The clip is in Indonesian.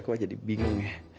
kok jadi bingung ya